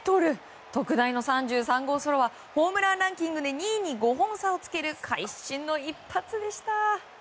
特大の３３号ソロはホームランランキングで２位に５本差をつける会心の一発でした。